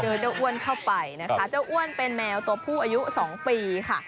เจอเจ้าอ้วนเข้าไปนะคะเจ้าอ้วนเป็นแมวตัวผู้อายุ๒ปีค่ะ